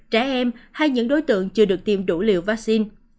trẻ em hay những đối tượng chưa được tiêm đủ liều vaccine